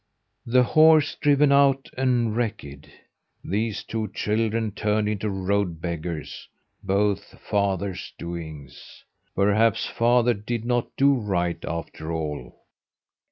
"The horse driven out and wrecked, these two children turned into road beggars both father's doings! Perhaps father did not do right after all?"